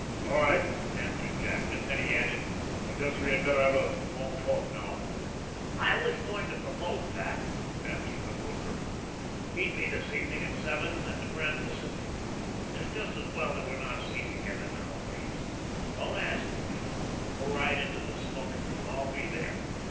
"All right," answered Jadwin, then he added, "I guess we had better have a long talk now." "I was going to propose that," answered the broker. "Meet me this evening at seven at the Grand Pacific. It's just as well that we're not seen together nowadays. Don't ask for me. Go right into the smoking room. I'll be there.